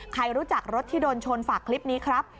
ใครรู้จักรถที่โดนชนฝากคลิปนี้ครับ